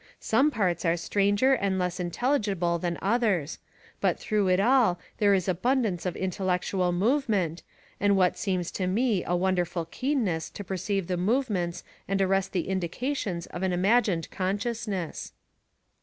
Some parts are stranger and less intelligible than others, but through it all there is abundance of intellectual movement, and what seems to me a wonderful keenness to perceive the movements and arrest the indications of an imagined consciousness."